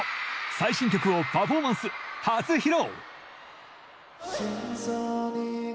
最新曲をパフォーマンス初披露！